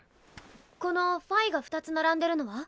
この「Φ」が２つ並んでるのは？